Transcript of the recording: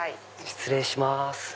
失礼します。